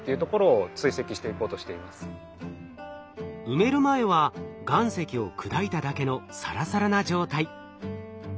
埋める前は岩石を砕いただけのサラサラな状態。